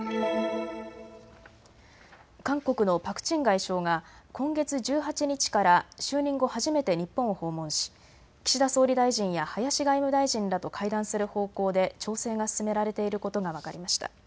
韓国のパク・チン外相が今月１８日から就任後、初めて日本を訪問し岸田総理大臣や林外務大臣らと会談する方向で調整が進められていることが分かりました。